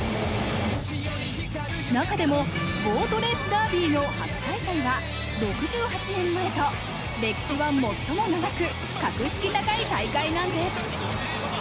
中でもボートレースダービーの初開催は６８年前と歴史は最も長く、格式高い大会なんです。